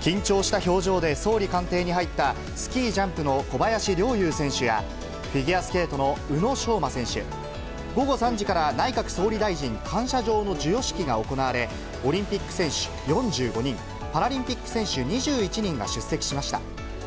緊張した表情で総理官邸に入った、スキージャンプの小林陵侑選手や、フィギュアスケートの宇野昌磨選手、午後３時から内閣総理大臣感謝状の授与式が行われ、オリンピック選手４５人、パラリンピック選手２１人が出席しました。